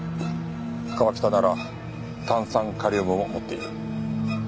川喜多なら炭酸カリウムも持っている。